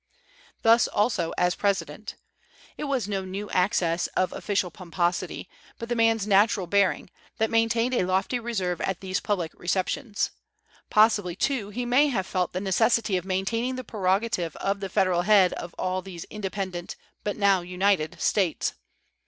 Thus also as President. It was no new access of official pomposity, but the man's natural bearing, that maintained a lofty reserve at these public receptions. Possibly, too, he may have felt the necessity of maintaining the prerogative of the Federal head of all these independent, but now united, States.